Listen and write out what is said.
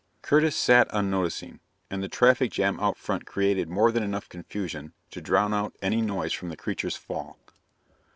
Curtis sat unnoticing, and the traffic jam out front created more than enough confusion to drown out any noise from the creature's fall.